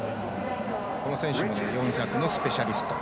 この選手も４００のスペシャリスト。